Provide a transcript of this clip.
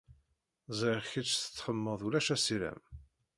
Ẓriɣ kecc tettxemmed ulac assirem.